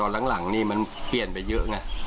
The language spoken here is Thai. หลังนี่มันเปลี่ยนไปเยอะไง